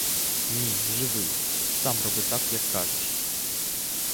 Ні, живи, сам роби так, як кажеш.